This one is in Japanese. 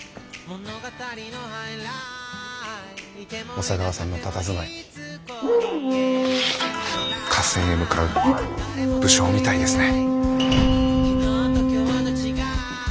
小佐川さんのたたずまい合戦へ向かう武将みたいですね。